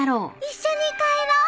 一緒に帰ろう。